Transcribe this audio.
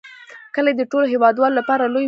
کلي د ټولو هیوادوالو لپاره لوی ویاړ دی.